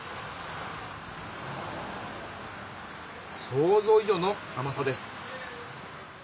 想像以上の甘さです。